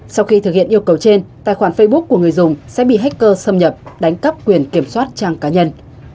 sau khi thực hiện yêu cầu trên tài khoản facebook của người dùng sẽ bị hacker xâm nhập đánh cắp quyền kiểm soát trang cá nhân